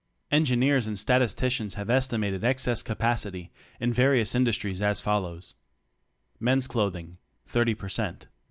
Engineers and statisticians have estimated excess capacity in various industries as follows : Men's clothing 30 per cent." Printing 50 per cent."